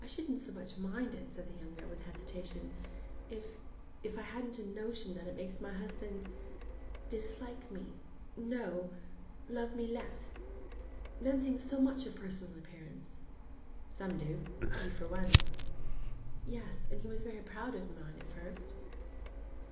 'I shouldn't so much mind it,' said the younger, with hesitation, 'if—if I hadn't a notion that it makes my husband—dislike me—no, love me less. Men think so much of personal appearance.' 'Some do—he for one.' 'Yes; and he was very proud of mine, at first.